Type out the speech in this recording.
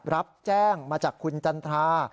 รับแจ้งมาจากคุณจันทรา